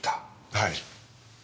はい。